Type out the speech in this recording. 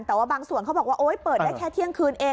แต่ว่าบางส่วนเขาบอกว่าโอ๊ยเปิดได้แค่เที่ยงคืนเอง